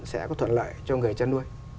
sẽ có thuận lợi cho người cha nuôi